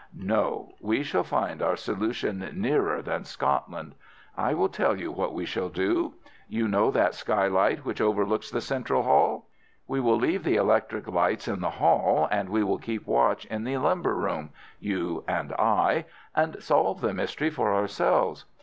"No, we shall find our solution nearer than Scotland, I will tell you what we shall do. You know that skylight which overlooks the central hall? We will leave the electric lights in the hall, and we will keep watch in the lumber room, you and I, and solve the mystery for ourselves.